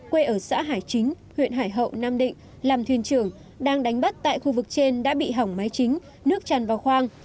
quê ở xã hải chính huyện hải hậu nam định làm thuyền trưởng đang đánh bắt tại khu vực trên đã bị hỏng máy chính nước tràn vào khoang